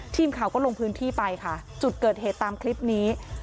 ทีมข่าวก็ลงพื้นที่ไปค่ะจุดเกิดเหตุตามคลิปนี้